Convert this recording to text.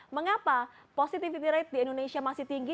mengapa positivity rate di indonesia masih tinggi